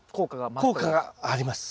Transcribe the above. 効果があります。